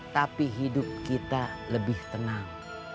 tapi hidup kita lebih tenang